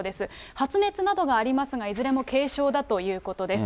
発熱などがありますが、いずれも軽症だということです。